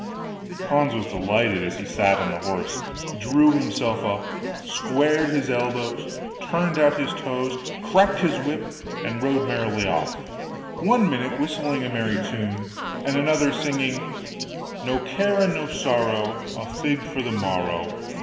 Hans was delighted as he sat on the horse, drew himself up, squared his elbows, turned out his toes, cracked his whip, and rode merrily off, one minute whistling a merry tune, and another singing, 'No care and no sorrow, A fig for the morrow!